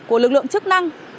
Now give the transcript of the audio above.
của lực lượng chức năng